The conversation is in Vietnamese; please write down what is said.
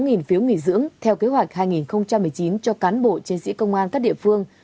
cục hậu đã đặt tám phiếu nghỉ dưỡng theo kế hoạch hai nghìn một mươi chín cho cán bộ chiến sĩ công an các địa phương